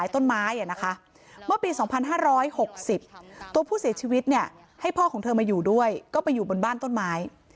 ตัวผู้เสียชีวิตเนี่ยให้พ่อของเธอมาอยู่ด้วยก็ไปอยู่บนบ้านต้นไม้